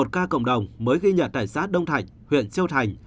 một mươi một ca cộng đồng mới ghi nhận tại xã đông thạnh huyện châu thành